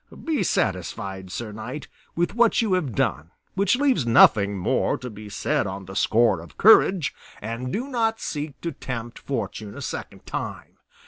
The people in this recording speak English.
Be satisfied, sir knight, with what you have done, which leaves nothing more to be said on the score of courage, and do not seek to tempt fortune a second time.